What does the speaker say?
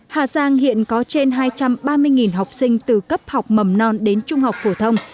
hà giang hiện có trên hai trăm ba mươi học sinh từ cấp học mầm non đến trung học phổ thông